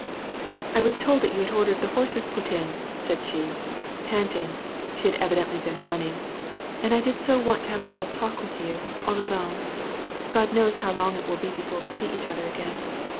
"I was told that you had ordered the horses put in," said she, panting (she had evidently been running), " and I did so want to have a little talk with you, all alone. God knows how long it will be before we see each other again.